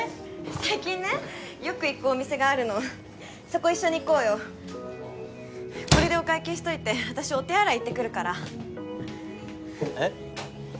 最近ねよく行くお店があるのそこ一緒に行こうよおうこれでお会計しといて私お手洗い行ってくるからえっ？